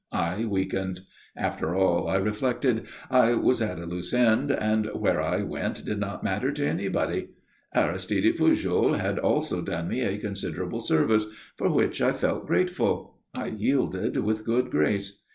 I weakened. After all, I reflected, I was at a loose end, and where I went did not matter to anybody. Aristide Pujol had also done me a considerable service, for which I felt grateful. I yielded with good grace.